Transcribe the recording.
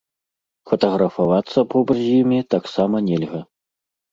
Фатаграфавацца побач з імі таксама нельга.